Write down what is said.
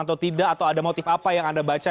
atau tidak atau ada motif apa yang anda baca